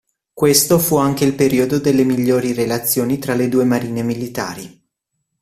Questo fu anche il periodo delle migliori relazioni tra le due marine militari.